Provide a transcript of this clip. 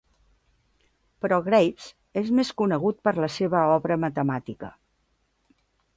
Però Graves és més conegut per la seva obra matemàtica.